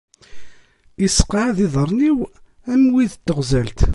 Isseqɛad iḍarren-iw am wid n teɣzalt.